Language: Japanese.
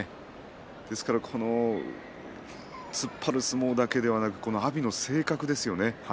ですから突っ張る相撲だけではなく阿炎の性格ですよね